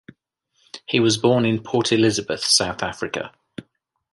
He was born in Port Elizabeth, South Africa.